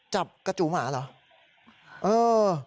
จับกระจูหมาเหรอ